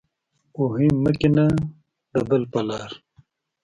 کوهی مه کنده د بل په لار.